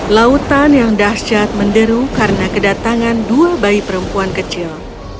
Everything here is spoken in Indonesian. lautan yang dahsyat menderu karena kedatangan dua bayi perempuan kecil